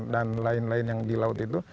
dan lain lain yang di laut itu